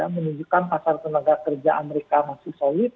menunjukkan pasar tenaga kerja amerika masih solid